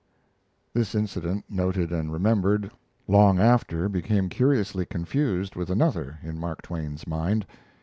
This incident, noted and remembered, long after became curiously confused with another, in Mark Twain's mind.